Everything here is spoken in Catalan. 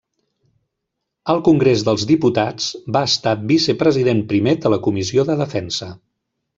Al Congrés dels Diputats va estar vicepresident Primer de la Comissió de Defensa.